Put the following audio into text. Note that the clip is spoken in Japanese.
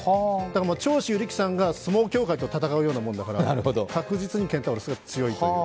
長州力さんが相撲協会と戦うようなものだから確実にケンタウロスが強いという。